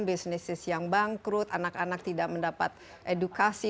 bisnis yang bangkrut anak anak tidak mendapat edukasi